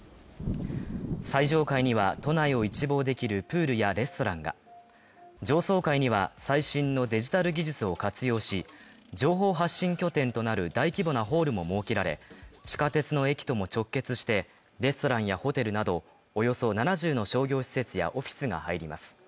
最上階には都内を一望できるプールやレストランが上層階には、最新のデジタル技術を活用し、情報発信拠点となる大規模なホールも設けられ地下鉄の駅とも直結して、レストランやホテルなどおよそ７０の商業施設やオフィスが入ります。